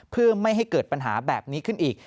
เพื่อไม่ให้เกิดปัญหาแบบนี้ขึ้นอีก